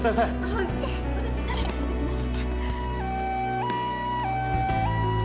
はい私誰か呼んできます